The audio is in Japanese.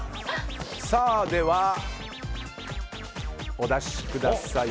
ではお出しください。